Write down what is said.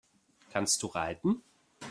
Kannst du reiten?